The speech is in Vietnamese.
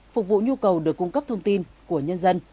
phục vụ nhu cầu được cung cấp thông tin của nhân dân